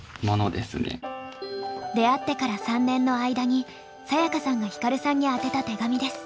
出会ってから３年の間にサヤカさんがヒカルさんに宛てた手紙です。